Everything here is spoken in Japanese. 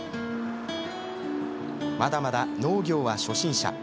まだまだ農業は初心者。